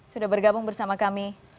selamat malam bersama kami